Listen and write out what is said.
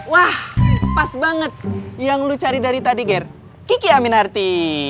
wah pas banget yang lu cari dari tadi ger kiki aminarti